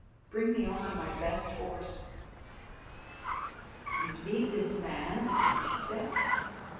Bring me also my best horse." "You leave this land?" she said.